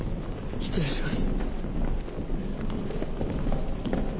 失礼します。